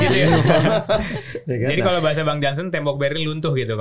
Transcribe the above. jadi kalau bahasa bang jansen tembok beri luntuh gitu